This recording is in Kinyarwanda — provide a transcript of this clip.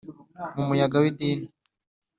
mu muyaga w'idini